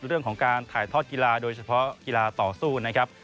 เรื่องของการถ่ายทอดกีฬาโดยเฉพาะกีฬาต่อสู้นะครับ